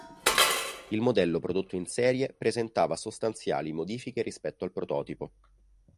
Il modello prodotto in serie presentava sostanziali modifiche rispetto al prototipo.